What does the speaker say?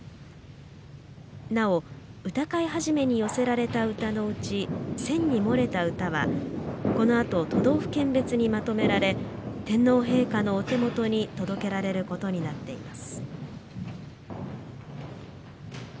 なお、歌会始に寄せられた歌のうち選に漏れた歌はこのあと都道府県別にまとめられ天皇陛下のお手元に届けられることになっています。